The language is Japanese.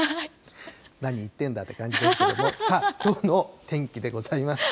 何言ってんだーって感じですけれども、さあ、きょうの天気でございます。